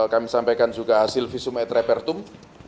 kami sampaikan juga hasil visum et repertum